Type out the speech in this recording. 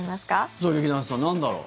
さあ劇団さん、なんだろう